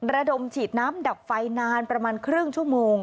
ระดมฉีดน้ำดับไฟนานประมาณครึ่งชั่วโมง